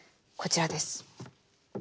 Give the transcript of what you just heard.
こちらです。